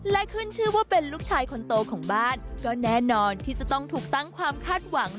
และขึ้นชื่อว่าเป็นลูกชายคนโตของบ้านก็แน่นอนที่จะต้องถูกตั้งความคาดหวัง